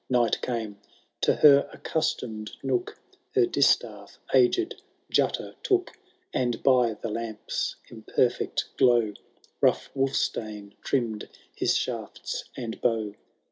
Night came — ^to her accustomed nook Her distaff aged Jutta took. And by the lamp^s imperfect glow, Rough Wulfktane tiimm*d his shafts and bow.